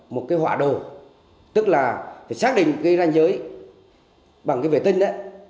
một cái họa đồ tức là phải xác định cái ranh giới bằng cái vệ tinh đấy